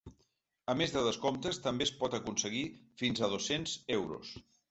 A més de descomptes, també es pot aconseguir fins a dos-cents euros.